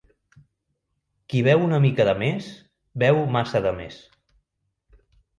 Qui beu una mica de més, beu massa de més.